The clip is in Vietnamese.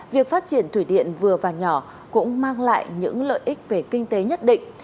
việc phát triển thủy điện vừa và nhỏ cũng mang lại những lợi ích về kinh tế nhất định